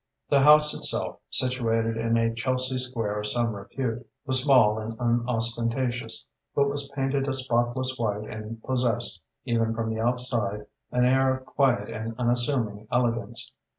The house itself, situated in a Chelsea square of some repute, was small and unostentatious, but was painted a spotless white and possessed, even from the outside, an air of quiet and unassuming elegance.